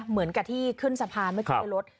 เหมือนกับที่ขึ้นสะพานเมื่อกี้ในรถ